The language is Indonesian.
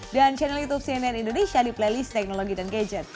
dan channel youtube cnn indonesia di playlist teknologi dan gadget